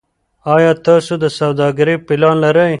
ایا تاسو د سوداګرۍ پلان لرئ.